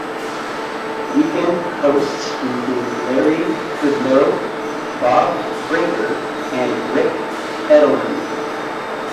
Weekend hosts include Larry Kudlow, Bob Brinker and Ric Edelman.